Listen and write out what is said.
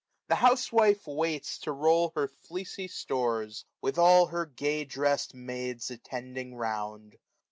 The housewife waits to roll her fleecy stores. With all her gay drest maids attending round.